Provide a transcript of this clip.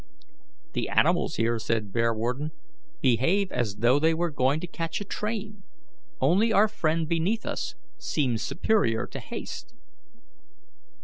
"The animals here," said Bearwarden, "behave as though they were going to catch a train; only our friend beneath us seems superior to haste."